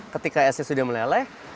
ketika esnya sudah meleleh